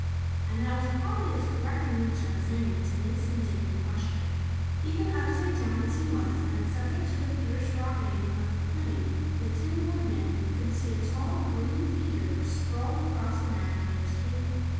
And that was probably as correct an answer as any to Nick's indignant question. Even upside down as he was, and subject to the fierce rocketing of the plane, the Tin Woodman could see a tall, green figure sprawled across the navigator's table.